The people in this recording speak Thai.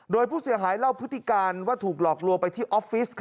โดยผู้เสียหายเล่าพฤติการว่าถูกหลอกลวงไปที่ออฟฟิศ